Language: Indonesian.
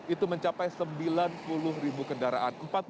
itu mencapai sembilan puluh ribu kendaraan